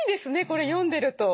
これ読んでると。